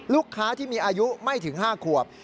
ลูกค้าที่มีอายุไม่ถึง๕ขวบ